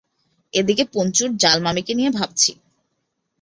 এ দিকে পঞ্চুর জাল মামীকে নিয়ে ভাবছি।